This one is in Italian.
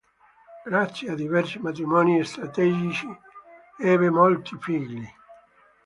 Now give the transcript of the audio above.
Grazie a diversi matrimoni strategici ebbe molti figli.